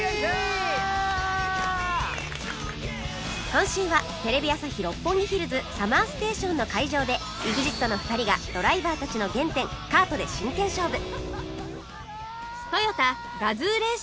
今週はテレビ朝日・六本木ヒルズ ＳＵＭＭＥＲＳＴＡＴＩＯＮ の会場で ＥＸＩＴ の２人がドライバーたちの原点カートで真剣勝負！